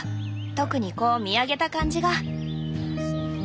特にこう見上げた感じが。